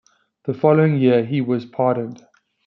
The following year, he was pardoned.